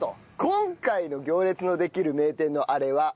今回の行列のできる名店のアレは。